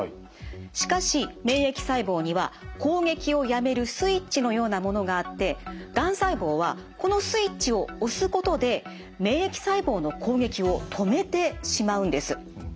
しかし免疫細胞には攻撃をやめるスイッチのようなものがあってがん細胞はこのスイッチを押すことで免疫細胞の攻撃を止めてしまうんです。